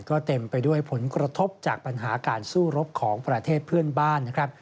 ก็เต็มไปด้วยผลกระทบจากปัญหาการสู้รบของประเทศเพื่อนบ้านนะครับ